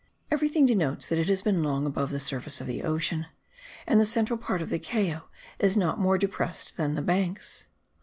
Everything denotes that it has been long above the surface of the ocean; and the central part of the Cayo is not more depressed than the banks.